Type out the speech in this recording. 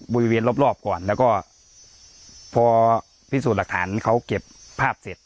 บริเวณรอบรอบก่อนแล้วก็พอพิสูจน์หลักฐานเขาเก็บภาพเสร็จ